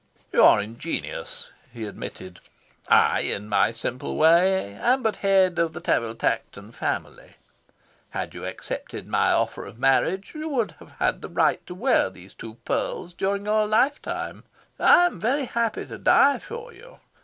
"You are ingenious," he admitted. "I, in my simple way, am but head of the Tanville Tankerton family. Had you accepted my offer of marriage, you would have had the right to wear these two pearls during your life time. I am very happy to die for you.